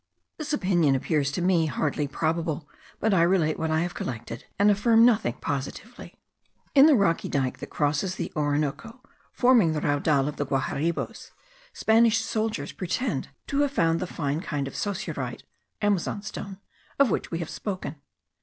This opinion appears to me hardly probable; but I relate what I have collected, and affirm nothing positively. In the rocky dike that crosses the Orinoco, forming the Raudal of the Guaharibos, Spanish soldiers pretend to have found the fine kind of saussurite (Amazon stone), of which we have spoken.